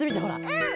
うん。